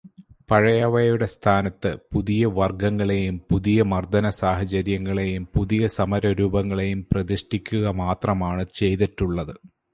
പഴയവയുടെ സ്ഥാനത്തു് പുതിയ വർഗങ്ങളേയും പുതിയ മർദ്ദനസാഹചര്യങ്ങളേയും പുതിയ സമരരൂപങ്ങളേയും പ്രതിഷ്ഠിക്കുക മാത്രമാണു ചെയ്തിട്ടുള്ളതു്.